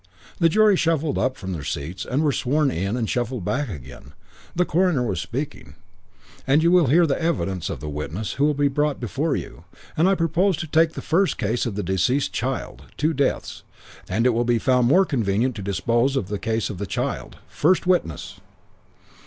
The jury shuffled up from their seats and were sworn in and shuffled back again.... The coroner was speaking. "... and you will hear the evidence of the witnesses who will be brought before you ... and I propose to take first the case of the deceased child ... two deaths ... and it will be found more convenient to dispose first of the case of the child.... First witness!"